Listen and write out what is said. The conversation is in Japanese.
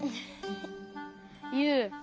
ユウ。